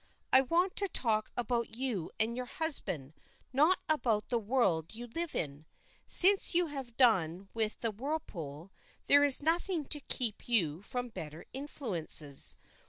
I want to talk about you and your husband, not about the world you live in. Since you have done with the whirlpool, there is nothing to keep you from better influences.